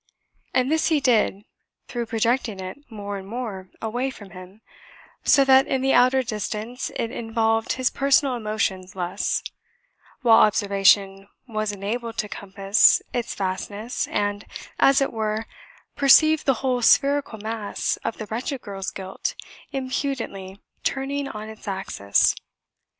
And this he did through projecting it more and more away from him, so that in the outer distance it involved his personal emotions less, while observation was enabled to compass its vastness, and, as it were, perceive the whole spherical mass of the wretched girl's guilt impudently turning on its axis.